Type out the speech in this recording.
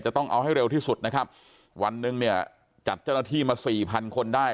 ต้องเอาให้เร็วที่สุดนะครับวันหนึ่งเนี่ยจัดเจ้าหน้าที่มาสี่พันคนได้